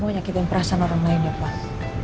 aku gak mau nyakitin perasaan orang lain ya mak